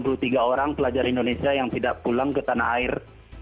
jadi terdapat sembilan puluh tiga orang pelajar indonesia yang tidak pulang ke tanah air